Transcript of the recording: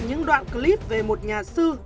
những đoạn clip về một nhà sư